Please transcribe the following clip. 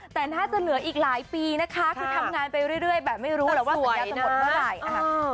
แต่น่าจะเหลืออีกหลายปีนะคะคือทำงานไปเรื่อยแบบไม่รู้แหละว่าสัญญาจะหมดเมื่อไหร่นะคะ